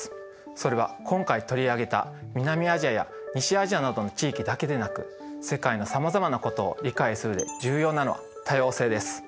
それは今回取り上げた南アジアや西アジアなどの地域だけでなく世界のさまざまなことを理解する上で重要なのは多様性です。